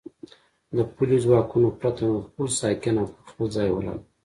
د پلیو ځواکونو پرته نور ټول ساکن او پر خپل ځای ولاړ و.